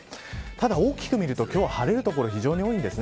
ただ大きく見ると今日は晴れる所が非常に多いです。